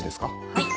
はい。